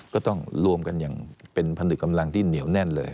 ก็ต้องรวมกันอย่างเป็นพนึกกำลังที่เหนียวแน่นเลย